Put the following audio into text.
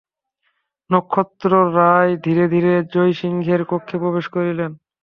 নক্ষত্ররায় ধীরে ধীরে জয়সিংহের কক্ষে প্রবেশ করিলেন।